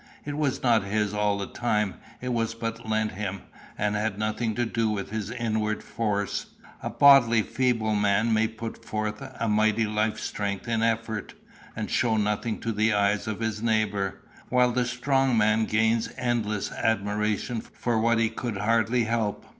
It was not his all the time; it was but lent him, and had nothing to do with his inward force. A bodily feeble man may put forth a mighty life strength in effort, and show nothing to the eyes of his neighbour; while the strong man gains endless admiration for what he could hardly help.